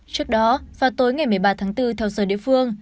trước đó vào tối ngày một mươi ba tháng bốn theo giờ địa phương